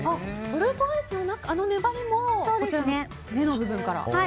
トルコアイスのあの粘りもこちらの根の部分から？